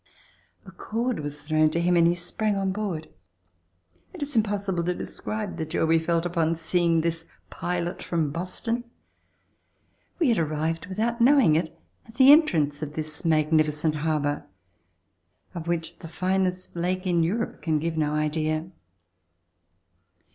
A cord was thrown to him and he sprang on board. It is im possible to describe the joy we felt upon seeing this pilot from Boston. We had arrived without knowing it at the entrance of this magnificent harbor, of whcih the finest lake in Europe can give no idea.